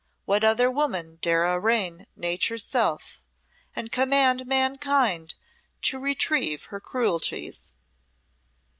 What other woman dare arraign Nature's self, and command mankind to retrieve her cruelties?"